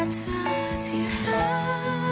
แต่เธอที่รัก